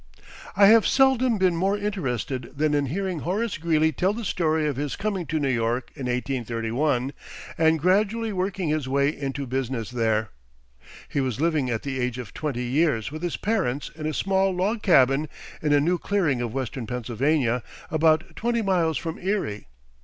I have seldom been more interested than in hearing Horace Greeley tell the story of his coming to New York in 1831, and gradually working his way into business there. He was living at the age of twenty years with his parents in a small log cabin in a new clearing of Western Pennsylvania, about twenty miles from Erie.